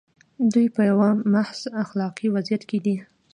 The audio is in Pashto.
دوی په یوه محض اخلاقي وضعیت کې دي.